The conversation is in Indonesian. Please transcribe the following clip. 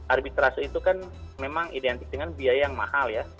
arbitrase itu kan memang identik dengan biaya yang mahal ya